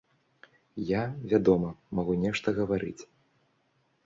Я, вядома, магу нешта гаварыць.